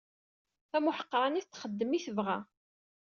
Tamuḥeqranit txeddem i tebɣa.